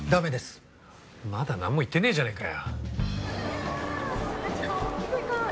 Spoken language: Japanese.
まだなんも言ってねえじゃねえかよ。